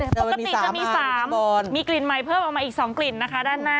ปกติจะมี๓มีกลิ่นใหม่เพิ่มออกมาอีก๒กลิ่นนะคะด้านหน้า